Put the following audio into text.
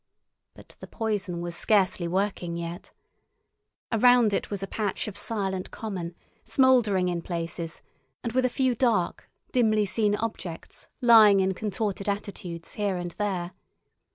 But the poison was scarcely working yet. Around it was a patch of silent common, smouldering in places, and with a few dark, dimly seen objects lying in contorted attitudes here and there.